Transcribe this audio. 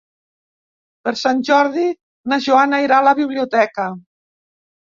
Per Sant Jordi na Joana irà a la biblioteca.